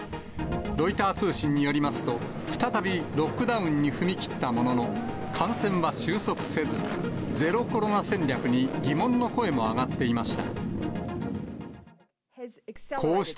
ロイター通信によりますと、再びロックダウンに踏み切ったものの、感染は収束せず、ゼロコロナ戦略に疑問の声も上がっていました。